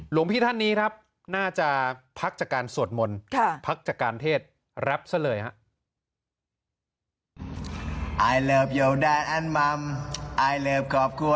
หลวงพี่ท่านนี้ครับน่าจะพักจากการสวดมนต์พักจากการเทศรับซะเลยครับ